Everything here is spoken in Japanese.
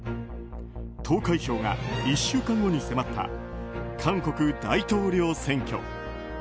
投開票が１週間後に迫った韓国大統領選挙。